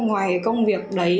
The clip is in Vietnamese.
ngoài cái công việc đấy